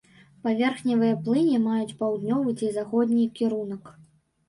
Паверхневыя плыні маюць паўднёвы ці заходні кірунак.